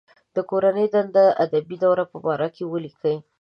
د کورنۍ دنده د ادبي دورې په باره کې ولیکئ.